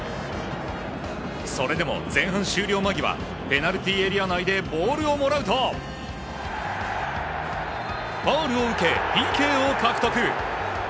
それでも前半終了間際、ペナルティーエリア内でボールをもらうと、ファウルを受け、ＰＫを獲得。